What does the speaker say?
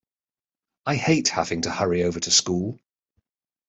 I hate having to hurry over to school.